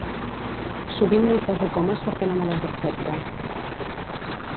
Sovint no hi poso comes perquè no me les accepta.